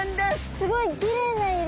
すごいきれいな色！